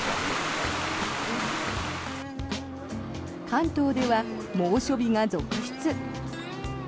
関東では猛暑日が続出。